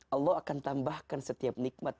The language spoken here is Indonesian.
allah akan tambahkan setiap nikmat